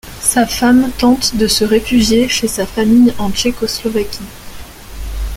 Sa femme tente de se réfugier chez sa famille, en Tchécoslovaquie.